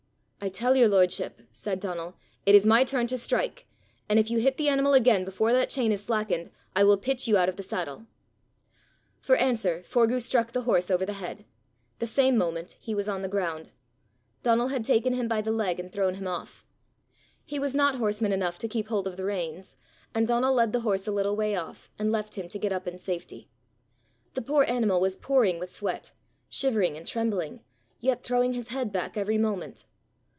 "I tell your lordship," said Donal, "it is my turn to strike; and if you hit the animal again before that chain is slackened, I will pitch you out of the saddle." For answer Forgue struck the horse over the head. The same moment he was on the ground; Donal had taken him by the leg and thrown him off. He was not horseman enough to keep his hold of the reins, and Donal led the horse a little way off, and left him to get up in safety. The poor animal was pouring with sweat, shivering and trembling, yet throwing his head back every moment.